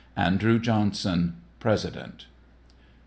ANDREW JOHNSON, President.